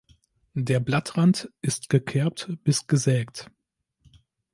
Der Blattrand ist gekerbt bis gesägt.